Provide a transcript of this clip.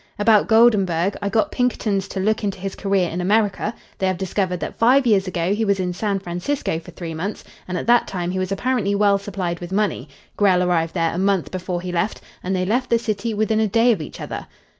About Goldenburg. I got Pinkerton's to look into his career in America. They have discovered that five years ago he was in San Francisco for three months, and at that time he was apparently well supplied with money. Grell arrived there a month before he left, and they left the city within a day of each other."